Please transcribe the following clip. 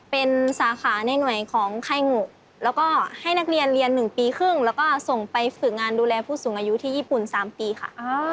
เป็นสาขาในหน่วยของไข้งูแล้วก็ให้นักเรียนเรียน๑ปีครึ่งแล้วก็ส่งไปฝึกงานดูแลผู้สูงอายุที่ญี่ปุ่น๓ปีค่ะ